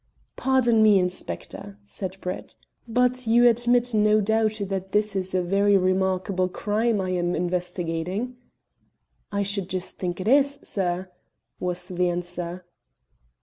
"Pardon me, inspector," said Brett, "but you admit, no doubt, that this is a very remarkable crime I am investigating." "I should just think it is, sir," was the answer.